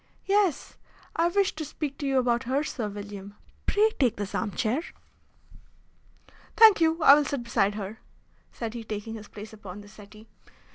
"Yes, I wish to speak to you about her, Sir William. Pray take this arm chair." "Thank you, I will sit beside her," said he, taking his place upon the settee.